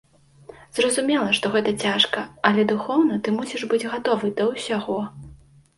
Зразумела, што гэта цяжка, але духоўна ты мусіш быць гатовы да ўсяго.